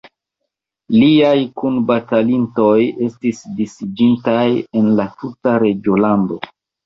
Liaj kunbatalintoj estis disiĝintaj en la tuta reĝolando.